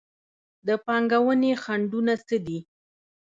د پانګونې خنډونه څه دي؟